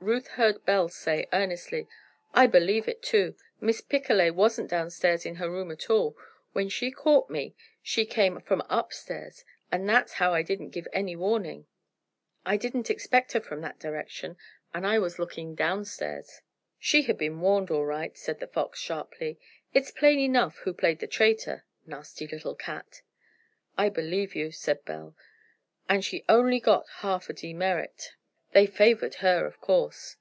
Ruth heard Belle say, earnestly: "I believe it, too. Miss Picolet wasn't downstairs in her room at all. When she caught me she came from upstairs, and that's how I didn't give any warning. I didn't expect her from that direction and I was looking downstairs." "She had been warned, all right," said the Fox, sharply. "It's plain enough who played the traitor. Nasty little cat!" "I believe you," said Belle. "And she only got half a demerit. They favored her, of course."